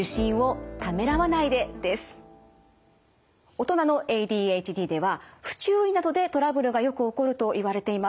大人のＡＤＨＤでは不注意などでトラブルがよく起こるといわれています。